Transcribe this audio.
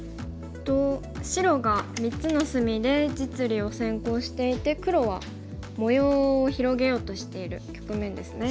白が３つの隅で実利を先行していて黒は模様を広げようとしている局面ですね。